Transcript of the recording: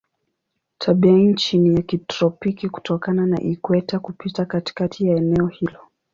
Tabianchi ni ya kitropiki kutokana na ikweta kupita katikati ya eneo hilo.